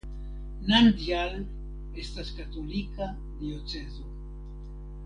Nandjal estas katolika diocezo.